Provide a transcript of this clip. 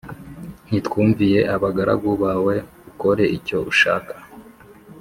Ntitwumviye abagaragu bawe ukore icyo ushaka